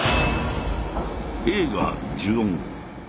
映画「呪怨」。